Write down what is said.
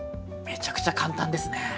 めちゃくちゃ簡単ですね。